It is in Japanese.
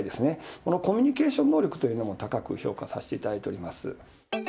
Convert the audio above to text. このコミュニケーション能力というのも高く評価させていただいております。